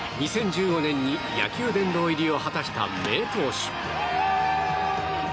２０１５年に野球殿堂入りを果たした名投手。